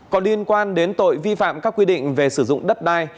có liên quan đến tội vi phạm các quy định về sử dụng đất đai